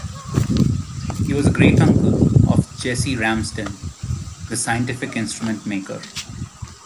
He was a great-uncle of Jesse Ramsden, the scientific instrument maker.